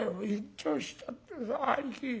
「どうしたってさ兄貴。